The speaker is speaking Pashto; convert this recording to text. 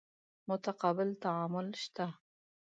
متقابل تعامل شته.